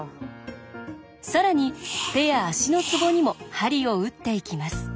更に手や足のツボにも鍼を打っていきます。